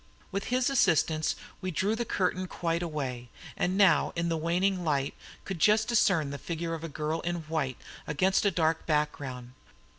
With his assistance we drew the curtain quite away, and in the now fast waning light could just discern the figure of a girl in white against a dark background.